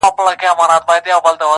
ته به ژاړې پر عمل به یې پښېمانه!.